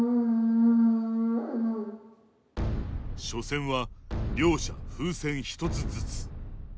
初戦は両者風船１つずつ。